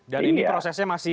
dan ini prosesnya